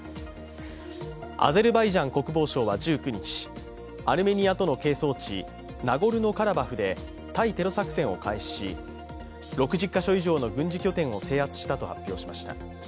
アゼルバイジャン国防省は１９日、アルメニアとの係争地、ナゴルノ・カラバフで、対テロ作戦を開始し６０か所以上の軍事拠点を制圧したと発表しました。